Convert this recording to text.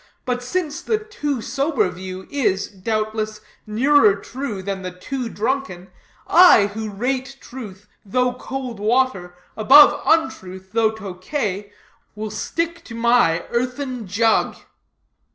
But since the too sober view is, doubtless, nearer true than the too drunken; I, who rate truth, though cold water, above untruth, though Tokay, will stick to my earthen jug."